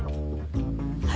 はい。